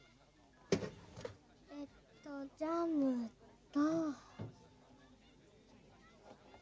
えっとジャムと。